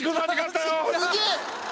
すげえ。